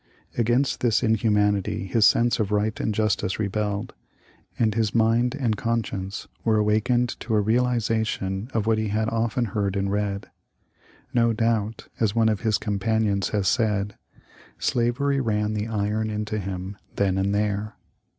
Against this inhumanity his sense of right and justice rebelled, and his mind and conscience were awakened to a realization of what he had often heard and read. No doubt, as one of his compan ions has said, " Slavery ran the iron into him then and there."